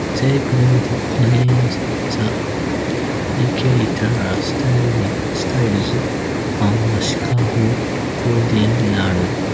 They played against the Decatur Staleys and Chicago Cardinals.